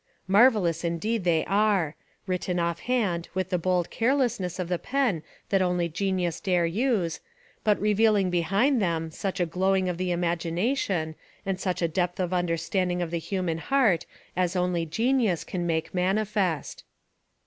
Marvellous indeed they are. Written off hand with the bold carelessness of the pen that only genius dare use, but revealing behind them such a glowing of the imagination and such a depth of understanding of the human heart as only genius can make manifest.